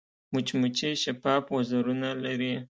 مچمچۍ شفاف وزرونه لري